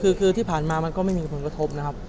คือที่ผ่านมามันก็ไม่มีผลกระทบนะครับ